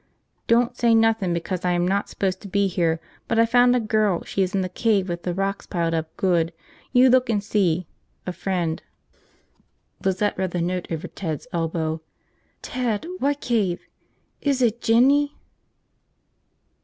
"Dont say nothing becas I am not spose to be here but I found a girl she is in the cave with the rocks pilled up good. You look and see. A frend." Lizette read the note over Ted's elbow. "Ted, what cave? Is it Jinny?"